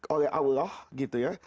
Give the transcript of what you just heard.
oleh allah gitu kan